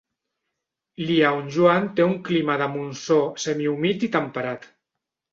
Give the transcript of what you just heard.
Liaoyuan té un clima de monsó semihumit i temperat.